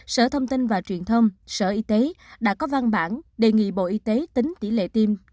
sở thông tin và truyền thông sở y tế đã có văn bản đề nghị bộ y tế tính tỷ lệ tiêm